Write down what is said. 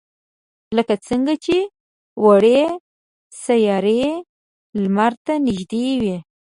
لکه څنگه چې وړې سیارې لمر ته نږدې وي.